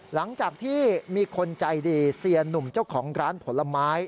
หลังจากที่มีคนใจดีเซียนหนุ่มเจ้าของร้านผลไม้